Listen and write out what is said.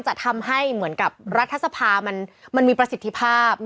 จะทำให้เหมือนกับรัฐสภามันมีประสิทธิภาพ